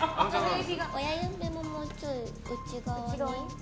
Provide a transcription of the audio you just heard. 親指をもうちょい内側に。